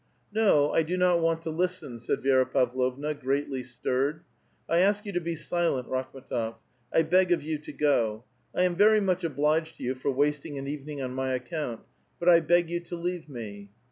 *' No, 1 do not want to listen, said Vi^ra Pavlovna, greatly stirred. *•* I ask you to be silent, Rakhm^tof . I beg of you to go. I am very much obliged to yon for wasting an evening on my account, but 1 beg you to leave me."